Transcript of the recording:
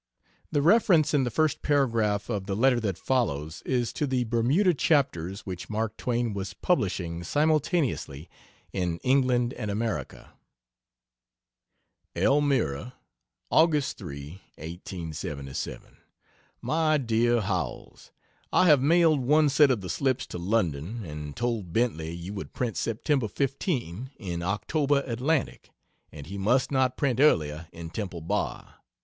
The reference in the first paragraph of the letter that follows is to the Bermuda chapters which Mark Twain was publishing simultaneously in England and America. ELMIRA, Aug 3,1877. MY DEAR HOWELLS, I have mailed one set of the slips to London, and told Bentley you would print Sept. 15, in October Atlantic, and he must not print earlier in Temple Bar.